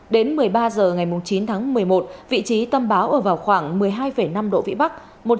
đến một mươi ba h ngày chín tháng một mươi một vị trí tâm bão ở vào khoảng một mươi hai năm độ vĩ bắc